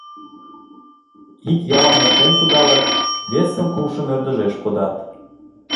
Ик ялым эртен кудалыт, весым, кумшым ӧрдыжеш кодат.